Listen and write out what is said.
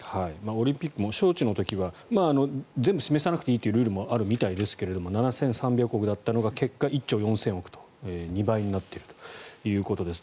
オリンピックも招致の時は全部示さなくていいというルールもあるみたいですけど７３００億円だったのが結果、１兆４０００億と２倍になっているということです。